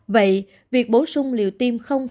vậy việc bổ sung liều tiêm hai mươi năm